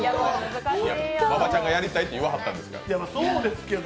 馬場ちゃんがやりたいって言わはったんですから。